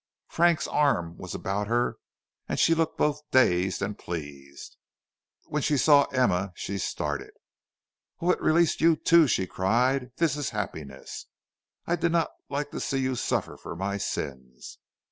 Frank's arm was about her and she looked both dazed and pleased. When she saw Emma she started. "Oh, it releases you too," she cried; "that is happiness. I did not like to see you suffer for my sins."